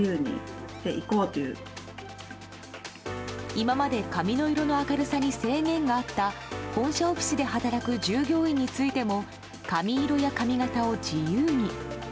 今まで髪の色の明るさに制限があった本社オフィスで働く従業員についても髪色や髪形を自由に。